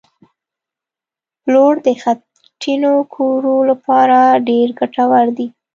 پلوړ د خټینو کورو لپاره ډېر ګټور دي